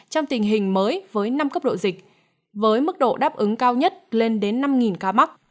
trong tình hình mới với năm cấp độ dịch với mức độ đáp ứng cao nhất lên đến năm ca mắc